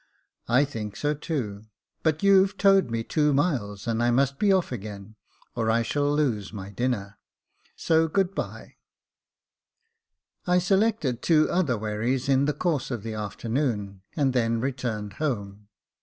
" I think so, too ; but you've towed me two miles, and I must be off again, or I shall lose my dinner ; so good bye." I selected two other wherries in the course of the afternoon, and then returned home.